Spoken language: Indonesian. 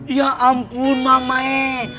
ya ampun mama eh